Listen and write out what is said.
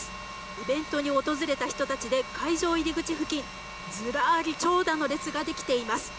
イベントに訪れた人たちで会場入り口付近ずらーり長蛇の列ができています。